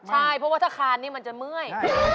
ใช่เพราะว่าถ้าคานนี่มันจะเมื่อย